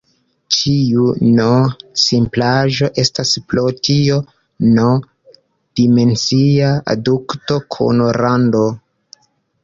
Ĉiu "n"-simplaĵo estas pro tio "n"-dimensia dukto kun rando.